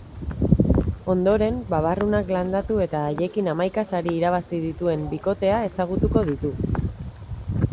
Ondoren, babarrunak landatu eta haiekin hamaika sari irabazi dituen bikotea ezagutuko ditu.